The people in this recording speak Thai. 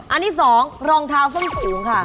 อันที่สองรองเท้าเพิ่งสิวงค่ะ